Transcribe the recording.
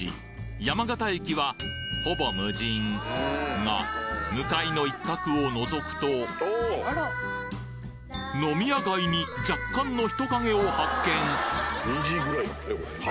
山形駅はほぼが向かいの一角を覗くと飲み屋街に若干の人影を発見！